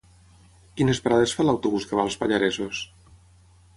Quines parades fa l'autobús que va als Pallaresos?